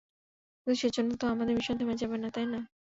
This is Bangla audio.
কিন্তু সেজন্য তো আমাদের মিশন থেমে যাবে না, তাই না?